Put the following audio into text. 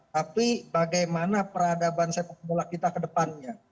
tapi bagaimana peradaban sepak bola kita kedepannya